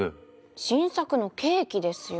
新作のケーキですよ。